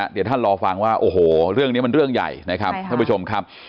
เดี๋ยวท่านรอฟังว่าโอ้โหเรื่องนี้มันเรื่องใหญ่นะครับท่านผู้ชมครับ